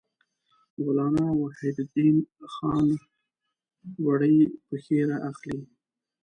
مولانا وحیدالدین خان وړې پېښې را اخلي.